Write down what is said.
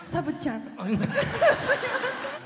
すみません。